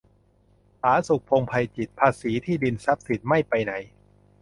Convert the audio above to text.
ผาสุก พงษ์ไพจิตร : ภาษีที่ดิน-ทรัพย์สินไม่ไปไหน